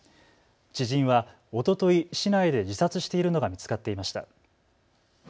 知人はおととい市内で自殺しているのが見つかっていました。